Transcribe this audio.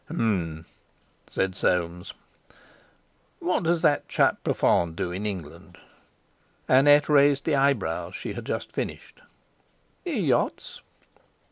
"H'm!" said Soames. "What does that chap Profond do in England?" Annette raised the eyebrows she had just finished. "He yachts."